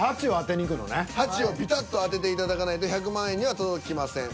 ８をピタッと当てていただかないと１００万円には届きません。